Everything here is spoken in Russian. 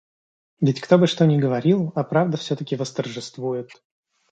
Ведь кто бы что ни говорил, А правда всё-таки восторжествует.